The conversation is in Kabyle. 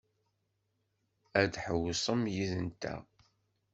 Ad tḥewwsem yid-nteɣ?